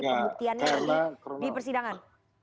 pembuktiannya di persidangan